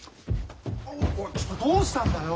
おいちょっとどうしたんだよ。